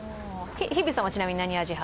日比さんはちなみに何味派？